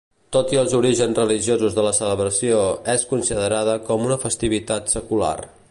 Tot i els orígens religiosos de la celebració, és considerada com una festivitat secular.